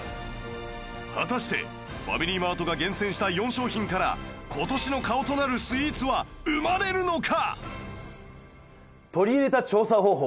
果たしてファミリーマートが厳選した４商品から今年の顔となるスイーツは生まれるのか？